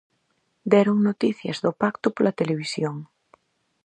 Deron noticias do pacto pola televisión.